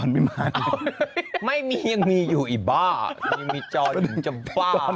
มันยังไม่มีอยู่ตัวตูนออกาย